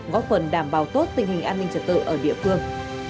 góp phần đảm bảo tốt tình hình an ninh trật tự ở địa phương